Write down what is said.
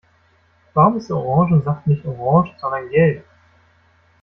Warum ist Orangensaft nicht orange, sondern gelb?